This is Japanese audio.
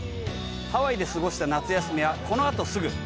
［ハワイで過ごした夏休みはこの後すぐ］